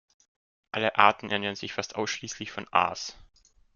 Alle Arten ernähren sich fast ausschließlich von Aas.